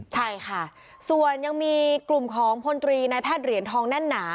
ใช่ค่ะส่วนยังมีกลุ่มของพลตรีนายแพทย์เหรียญทองแน่นหนา